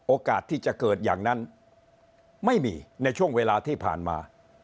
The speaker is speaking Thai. โอกาสที่จะเกิดอย่างนั้นไม่มีในช่วงเวลาที่ผ่านมา